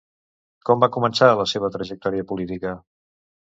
Com va començar la seva trajectòria política?